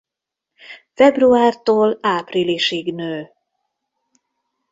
Februártól áprilisig nő.